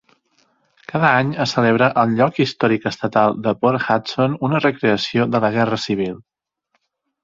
Cada any es celebra al Lloc Històric Estatal de Port Hudson una recreació de la Guerra Civil.